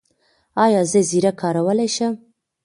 ایا زه زیره کارولی شم؟